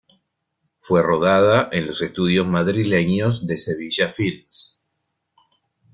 Fue rodada en los estudios madrileños de Sevilla Films.